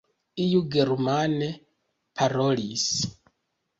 Iu germane parolis.